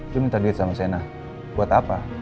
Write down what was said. lo minta duit sama sienna buat apa